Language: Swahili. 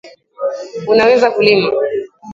Unaweza kulima.